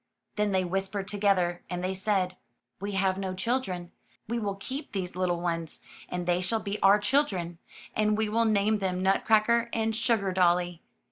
Then they whispered together, and they said: ''We have no children. We will keep these little ones, and they shall be our children, and we will name them Nutcracker and Sugardolly.''